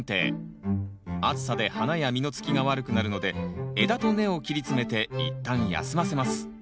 暑さで花や実のつきが悪くなるので枝と根を切り詰めて一旦休ませます